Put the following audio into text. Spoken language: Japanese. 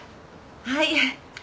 はい。